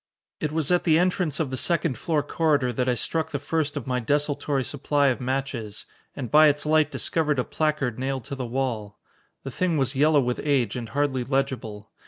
It was at the entrance of the second floor corridor that I struck the first of my desultory supply of matches, and by its light discovered a placard nailed to the wall. The thing was yellow with age and hardly legible.